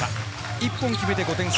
１本決めて５点差。